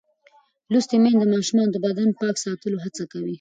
لوستې میندې د ماشومانو د بدن پاک ساتلو هڅه کوي.